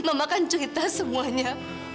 mama akan cerita semuanya